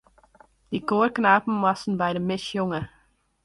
Dy koarknapen moasten by de mis sjonge.